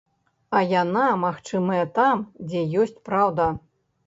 А яна магчымая там, дзе ёсць праўда.